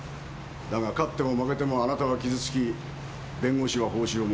だが勝っても負けてもあなたは傷つき弁護士は報酬をもらう。